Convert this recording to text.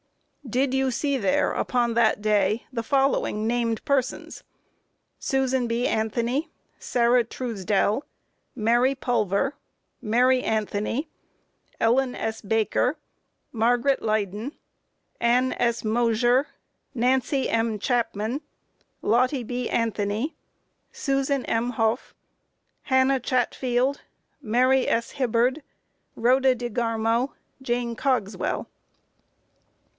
Q. Did you see there, upon that day, the following named persons: Susan B. Anthony, Sarah Truesdell, Mary Pulver, Mary Anthony, Ellen S. Baker, Margaret Leyden, Ann S. Mosher, Nancy M. Chapman, Lottie B. Anthony, Susan M. Hough, Hannah Chatfield, Mary S. Hibbard, Rhoda DeGarmo, Jane Cogswell.